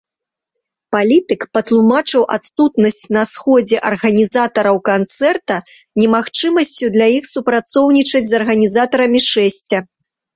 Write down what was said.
Палітык патлумачыў адсутнасць на сходзе арганізатараў канцэрта немагчымасцю для іх супрацоўнічаць з арганізатарамі шэсця.